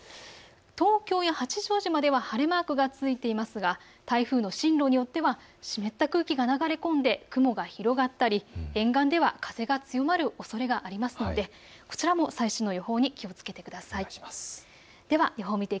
東京や八丈島では晴れマークが続いていますが、台風の進路によっては湿った空気が流れ込んで雲が広がったり、沿岸では風が強まるおそれがありますのでこちらも最新の予報に気をつけてください。